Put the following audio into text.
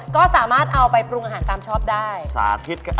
ก็สามารถเอาไปปรุงอาหารตามชอบได้